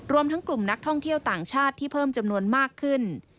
รวมทั้งกลุ่มนักท่องเที่ยวต่างชาติที่เพิ่มจำนวนมากขึ้น